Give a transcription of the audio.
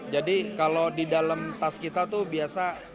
jadi kalau di dalam tas kita tuh biasa